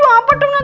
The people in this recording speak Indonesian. kenapa hidung mama